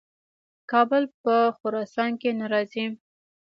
کابل په خراسان کې نه راځي.